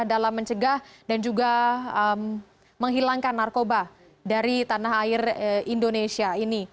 dalam mencegah dan juga menghilangkan narkoba dari tanah air indonesia ini